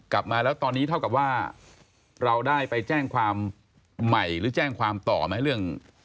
กลับมาแล้วตอนนี้เท่ากับว่าเราได้ไปแจ้งความใหม่หรือแจ้งความต่อไหมเรื่อง